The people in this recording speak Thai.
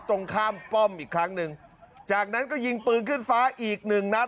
ตรงข้ามป้อมอีกครั้งหนึ่งจากนั้นก็ยิงปืนขึ้นฟ้าอีกหนึ่งนัด